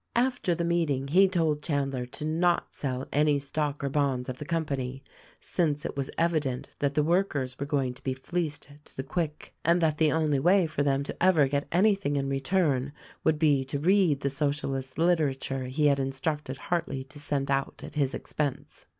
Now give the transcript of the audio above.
After the meeting he told Chandler to not sell any stock or bonds of the company, since it was evident that the work ers were going to be fleeced to the quick — and that the only way for them to ever get anything in return would be to read the Socialist literature he had instructed Hartleigh to send out at his expense.